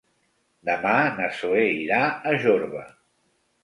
Demà na Zoè irà a Jorba.